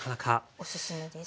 おすすめです。